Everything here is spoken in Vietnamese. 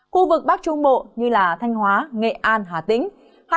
khu vực bắc trung bộ như thanh hóa nghệ an hà tĩnh